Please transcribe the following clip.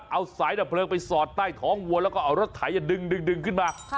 เอาสายดับเพลิงไปสอดใต้ท้องวัวแล้วก็เอารถไถดึงขึ้นมา